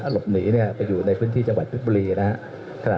กะหลบหนีเนี่ยไปอยู่ในพื้นที่จังหวัดปริศบุรีนะครับ